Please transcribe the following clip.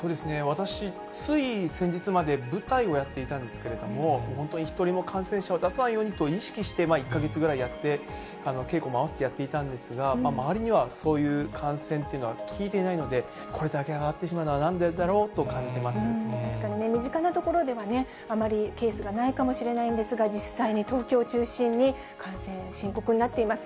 私、つい先日まで舞台をやっていたんですけれども、本当に一人も感染者を出さないように意識して、１か月ぐらいやって、稽古も併せてやっていたんですが、周りにはそういう感染というのは聞いていないので、これだけ上がってしまうのはなんでだろうと感確かにね、身近な所ではあまりケースがないかもしれないんですが、実際に東京を中心に感染、深刻になっています。